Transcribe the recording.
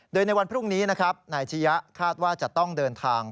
โดยในวันพรุ่งนี้นะครับนายชะยะคาดว่าจะต้องเดินทาง